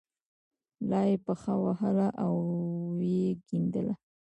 لا یې پښه وهله او یې کیندله.